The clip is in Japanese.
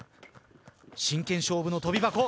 真剣勝負の跳び箱。